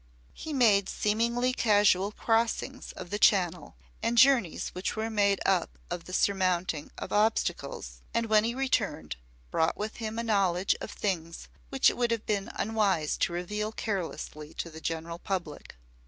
He made seemingly casual crossings of the Channel and journeys which were made up of the surmounting of obstacles, and when he returned, brought with him a knowledge of things which it would have been unwise to reveal carelessly to the general public.